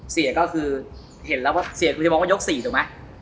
เสียก็คือเห็นแล้วว่าเสียคุณจะมองว่ายก๔ถูกไหม